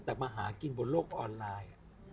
แต่มาหากินบนโลกออนไลน์